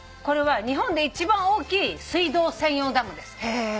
これは日本で一番大きい水道専用ダムです。